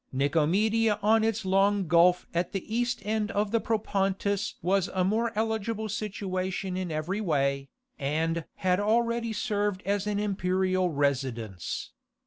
Nicomedia on its long gulf at the east end of the Propontis was a more eligible situation in every way, and had already served as an imperial residence.